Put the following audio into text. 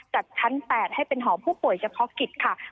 จัดชั้น๘ให้เป็นหอผู้ป่วยเฉพาะกิจค่ะ